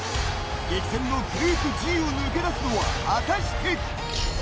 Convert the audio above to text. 激戦のグループＧを抜け出すのは果たして。